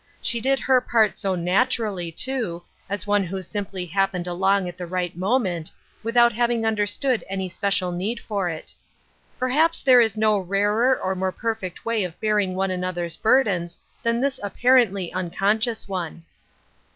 She did her part so naturally, too, as one who simply happened along at the right moment, without having understood any special need for it. Per haps there is no rarer or more perfect way of bearing one another's burdens than this appar ently unconscious one.